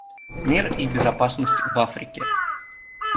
Мир и безопасность в Африке.